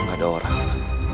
tidak ada orang